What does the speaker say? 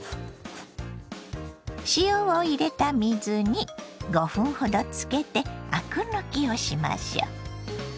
塩を入れた水に５分ほどつけてアク抜きをしましょ。